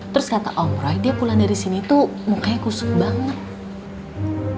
terus kata om roy dia pulang dari sini tuh mukanya kusut banget